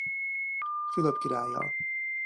Fülöp királlyal.